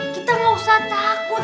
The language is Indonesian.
kita gak usah takut